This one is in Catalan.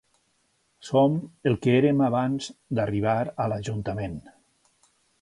Som el que érem abans d’arribar a l’ajuntament.